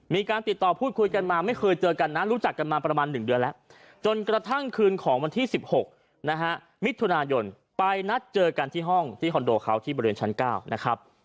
มีการติดต่อพูดคุยกันมาไม่เคยเจอกันนะรู้จักกันมาประมาณ๑เดือนแล้วจนกระทั่งคืนของวันที่๑๖นะฮะมิถุนายนไปนัดเจอกันที่ห้องที่คอนโดเขาที่บริเวณชั้น๙นะครับ